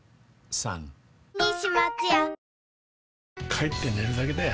帰って寝るだけだよ